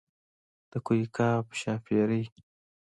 د کوه قاف ښاپېرۍ.